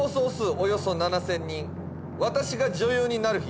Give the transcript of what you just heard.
およそ７０００人「私が女優になる日」